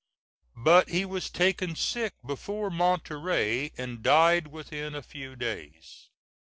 But he was taken sick before Monterey, and died within a few days.